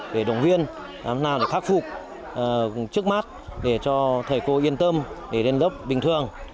chuyên làm nào để khắc phục trước mắt để cho thầy cô yên tâm để lên lớp bình thường